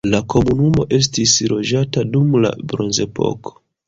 La komunumo estis loĝata dum la bronzepoko.